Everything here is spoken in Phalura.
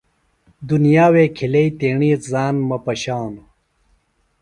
دُنیئی وے کھلیئی تیݨی ژان مہ پشانوۡ۔